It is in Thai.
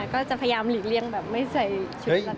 ก็จะพยายามหลีกเลี่ยงแบบไม่ใส่ชุดแบบนี้